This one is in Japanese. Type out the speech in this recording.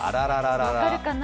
分かるかな？